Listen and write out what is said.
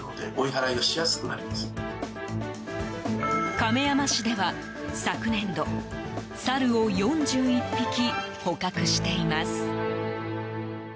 亀山市では、昨年度サルを４１匹捕獲しています。